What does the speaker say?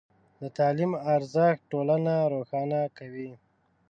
د تعلیم ارزښت ټولنه روښانه کوي.